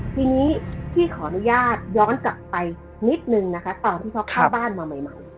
ทีนี้พี่ขออนุญาตย้อนกลับไปนิดนึงนะคะตอนที่เขาเข้าบ้านมาใหม่